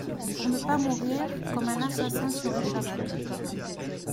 Pour ne pas mourir, comme un assassin sur l’échafaud.